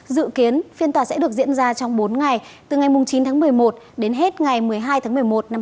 dự kiến phiên tòa sẽ được diễn ra trong bốn ngày từ ngày chín tháng một mươi một đến hết ngày một mươi hai tháng một mươi một năm hai nghìn hai mươi